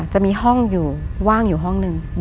จะมีห้องอยู่ว่างอยู่ห้องหนึ่ง